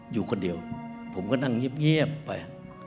อยู่คนเดียวผมก็นั่งเงียบไป